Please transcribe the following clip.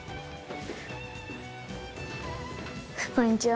こんにちは。